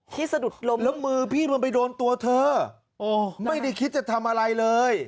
สะดุดลมแล้วมือพี่มันไปโดนตัวเธอไม่ได้คิดจะทำอะไรเลย